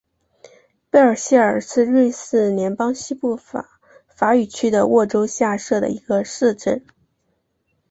贝尔谢尔是瑞士联邦西部法语区的沃州下设的一个市镇。